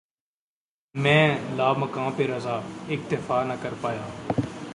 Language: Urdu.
مَیں لامکاں پہ رضاؔ ، اکتفا نہ کر پایا